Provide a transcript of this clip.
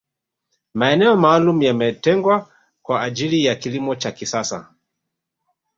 maeneo maalum yametengwa kwa ajili ya kilimo cha kisasa